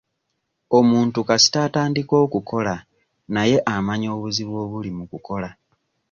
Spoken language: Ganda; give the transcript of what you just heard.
Omuntu kasita atandika okukola naye amanya obuzibu obuli mu kukola.